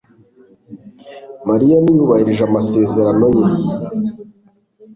Mariya ntiyubahirije amasezerano ye